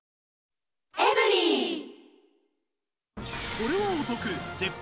これはお得、絶品！